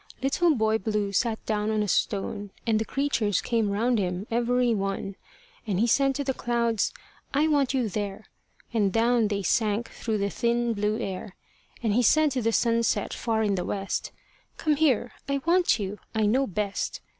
Little Boy Blue sat down on a stone, And the creatures came round him every one. And he said to the clouds, "I want you there." And down they sank through the thin blue air. And he said to the sunset far in the West, "Come here; I want you; I know best."